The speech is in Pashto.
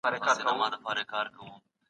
انلاين زده کړه زده کوونکي د کوره درس تعقيبوي.